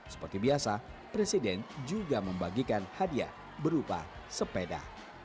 seperti biasa presiden juga membagikan hadiah berupa sepeda